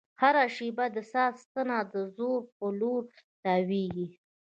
هره شېبه د ساعت ستنه د ځوړ په لور تاوېږي.